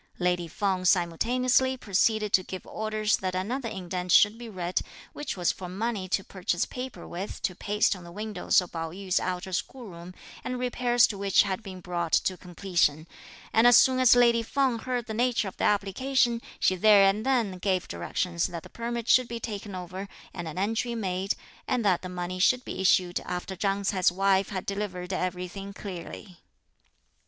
Lady Feng simultaneously proceeded to give orders that another indent should be read, which was for money to purchase paper with to paste on the windows of Pao yü's outer school room, the repairs to which had been brought to completion, and as soon as lady Feng heard the nature of the application, she there and then gave directions that the permit should be taken over and an entry made, and that the money should be issued after Chang Ts'ai's wife had delivered everything clearly.